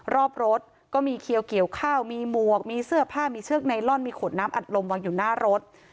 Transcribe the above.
รอบรถก็มีเขียวเกี่ยวข้าวมีหมวกมีเสื้อผ้ามีเชือกไนลอนมีขวดน้ำอัดลมวางอยู่หน้ารถ